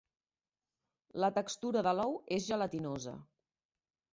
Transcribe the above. La textura de l'ou és gelatinosa.